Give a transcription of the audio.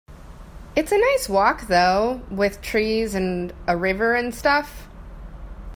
It's a nice walk though, with trees and a river and stuff.